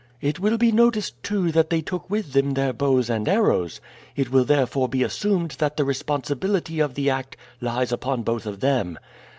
It will be noticed, too, that they took with them their bows and arrows. It will therefore be assumed that the responsibility of the act lies upon both of them.